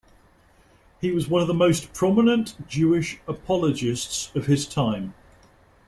He was one of the most prominent Jewish apologists of his time.